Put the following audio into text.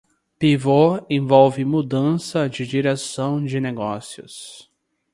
Pivot envolve mudança de direção de negócios.